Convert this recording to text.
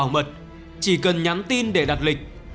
mật chỉ cần nhắn tin để đặt lịch